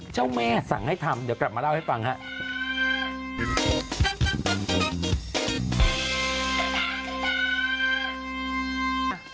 เจ้าแม่สั่งให้ทำเดี๋ยวกลับมาเล่าให้ฟังครับ